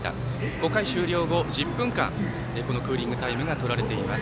５回終了後１０分間、クーリングタイムがとられています。